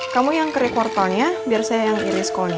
kamu yang kerik wortelnya biar saya yang iris callnya